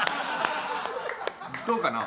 どうかな？